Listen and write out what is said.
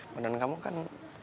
padahal kamu kan